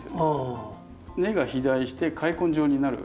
根が肥大して塊根状になる。